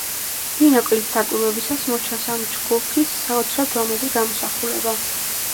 ბინოკლით დაკვირვებისას მოჩანს ამ ჯგუფის საოცრად ლამაზი გამოსახულება.